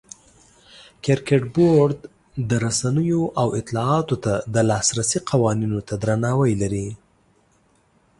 کرکټ بورډ د رسنیو او اطلاعاتو ته د لاسرسي قوانینو ته درناوی لري.